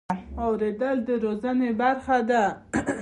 اورېدل د روزنې برخه ده.